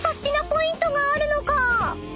ポイントがあるのか？］